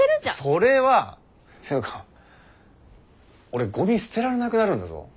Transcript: それは！っていうか俺ごみ捨てられなくなるんだぞ。